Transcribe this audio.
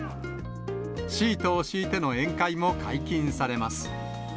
シートを敷いての宴会も解禁されます。